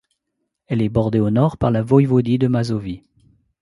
Elle est bordée au nord par la voïvodie de Mazovie.